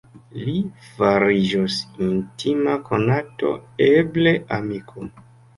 Li fariĝos intima konato; eble amiko.